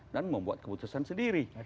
dan membuat keputusan sendiri